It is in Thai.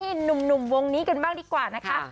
หนุ่มวงนี้กันบ้างดีกว่านะคะ